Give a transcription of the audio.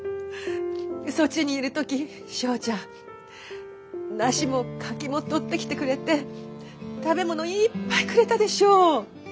そっちにいる時正ちゃん梨も柿も取ってきてくれて食べ物いっぱいくれたでしょう。